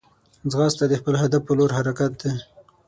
ځغاسته د خپل هدف پر لور حرکت دی